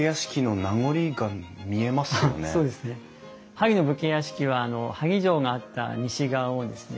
萩の武家屋敷は萩城があった西側をですね